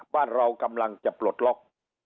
บ้านเรากำลังจะปลดล็อก